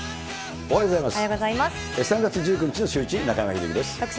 おはようございます。